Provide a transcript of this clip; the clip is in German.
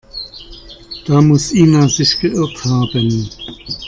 Da muss Ina sich geirrt haben.